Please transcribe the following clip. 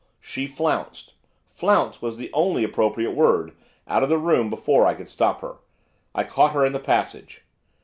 She flounced 'flounce' was the only appropriate word! out of the room before I could stop her. I caught her in the passage.